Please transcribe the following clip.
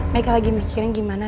meka lagi mikirin gimana